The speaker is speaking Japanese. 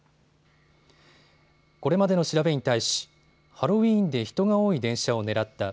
これまでの調べに対しハロウィーンで人が多い電車を狙った。